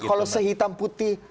kalau sehitam putih